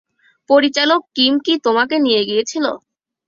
পরিচালক কিম কি তোমাকে নিয়ে গিয়েছিল?